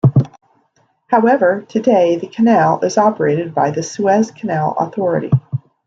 However, today the canal is operated by the Suez Canal Authority.